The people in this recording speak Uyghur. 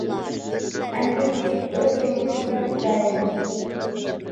ئەمدى مۈشۈك ئۆز جېنىنى جان ئېتەلەيدۇ.